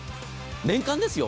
年間ですよ。